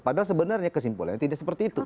padahal sebenarnya kesimpulannya tidak seperti itu